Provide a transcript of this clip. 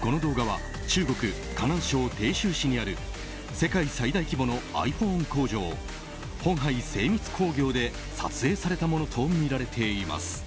この動画は中国・河南省鄭州市にある世界最大規模のｉＰｈｏｎｅ工場鴻海精密工業で撮影されたものとみられています。